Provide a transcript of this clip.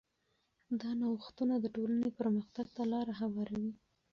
دا نوښتونه د ټولنې پرمختګ ته لاره هواروي.